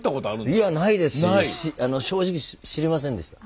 いやないですし正直知りませんでした。